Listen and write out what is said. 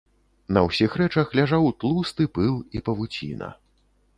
На ўсіх рэчах ляжаў тлусты пыл і павуціна.